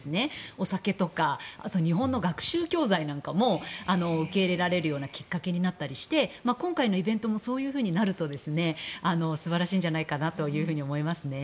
お酒とか日本の学習教材なんかも受け入れられるようなきっかけになったりして今回のイベントもそういうふうになると素晴らしいんじゃないかなというふうに思いますね。